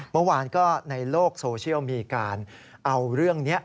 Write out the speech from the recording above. เมื่อวานก็ในโลกโซเชียลมีการเอาเรื่องนี้